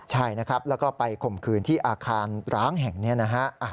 ใช่นะครับแล้วก็ไปข่มขืนที่อาคารร้างแห่งนี้นะฮะ